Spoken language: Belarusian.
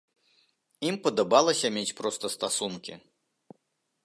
Ім падабалася мець проста стасункі.